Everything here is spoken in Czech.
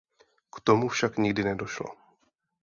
K tomu však nikdy nedošlo.